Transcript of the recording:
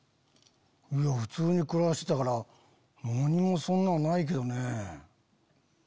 普通に暮らしてたから何もそんなのないけどね。